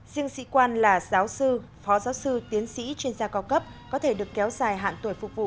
riêng sĩ quan là giáo sư phó giáo sư tiến sĩ chuyên gia cao cấp có thể được kéo dài hạn tuổi phục vụ